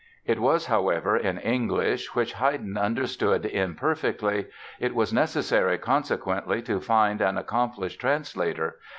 It was, however, in English, which Haydn understood imperfectly. It was necessary, consequently, to find an accomplished translator.